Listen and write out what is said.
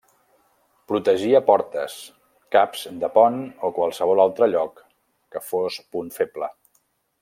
Protegia portes, caps de pont o qualsevol altre lloc que fos punt feble.